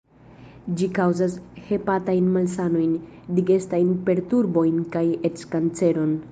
Ĝi kaŭzas hepatajn malsanojn, digestajn perturbojn kaj eĉ kanceron.